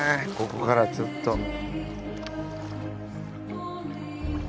ここからちょっと。